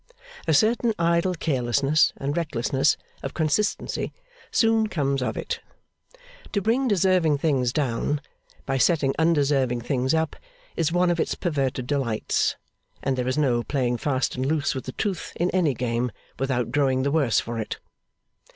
A certain idle carelessness and recklessness of consistency soon comes of it. To bring deserving things down by setting undeserving things up is one of its perverted delights; and there is no playing fast and loose with the truth, in any game, without growing the worse for it.